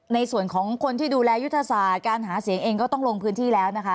ในส่วนของคนที่ดูแลยุทธศาสตร์การหาเสียงเองก็ต้องลงพื้นที่แล้วนะคะ